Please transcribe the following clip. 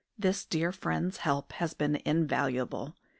This dear friend's help has been invaluable.